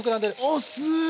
あっすごい！